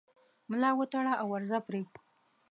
ملا وتړه او ورځه پرې